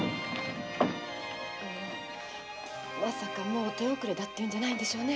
もう手遅れだっていうんじゃないでしょうね。